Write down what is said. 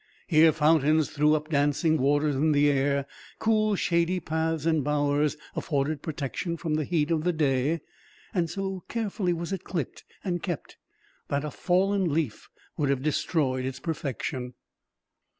Here fountains threw up dancing waters in the air, cool shady paths and bowers afforded protection from the heat of the day; and so carefully was it clipped, and kept, that a fallen leaf would have destroyed its perfection.